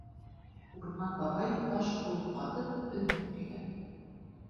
Урман бабай, таш кеүек ҡатып, өнһөҙ килә.